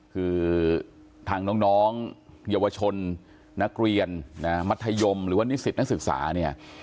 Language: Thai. คือทางน้องเยาวชนนักเรียนมัธยมหรือว่านิสิตนักศึกษาเนี่ย